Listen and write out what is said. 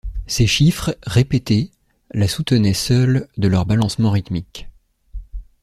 Ces chiffres, répétés, la soutenaient seuls de leur balancement rythmique.